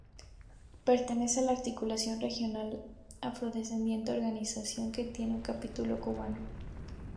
Pertenece a la Articulación Regional Afrodescendiente, organización que tiene un capítulo cubano.